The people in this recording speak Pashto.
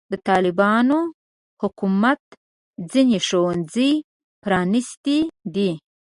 د طالبانو حکومت ځینې ښوونځي پرانستې دي.